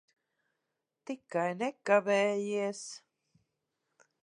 Tikai nekavējies.